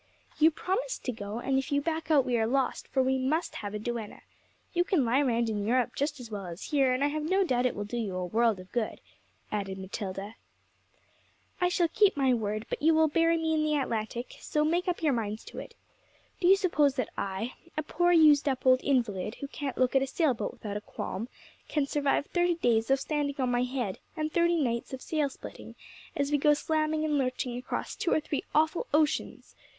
'You promised to go, and if you back out we are lost, for we must have a duenna. You can lie round in Europe just as well as here, and I have no doubt it will do you a world of good,' added Matilda. 'I shall keep my word; but you will bury me in the Atlantic, so make up your minds to it. Do you suppose that I, a poor, used up old invalid, who can't look at a sail boat without a qualm, can survive thirty days of standing on my head, and thirty nights of sail splitting, as we go slamming and lurching across two or three awful oceans?'